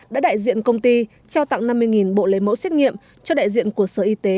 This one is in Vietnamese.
đã đại diện công ty trao tặng năm mươi bộ lấy mẫu xét nghiệm cho đại diện của sở y tế